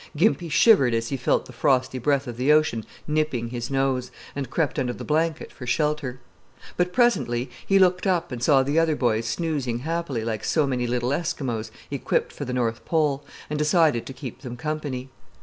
Gimpy shivered as he felt the frosty breath of the ocean nipping his nose, and crept under the blanket for shelter. But presently he looked up and saw the other boys snoozing happily like so many little Eskimos equipped for the North Pole, and decided to keep them company.